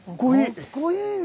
かっこいいね！